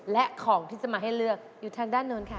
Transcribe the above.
และของที่จะมาให้เลือกอยู่ทางด้านโน้นค่ะ